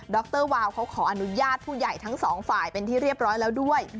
รวาวเขาขออนุญาตผู้ใหญ่ทั้งสองฝ่ายเป็นที่เรียบร้อยแล้วด้วย